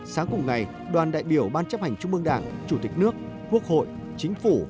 sáng cùng ngày đoàn đại biểu ban chấp hành trung mương đảng chủ tịch nước quốc hội chính phủ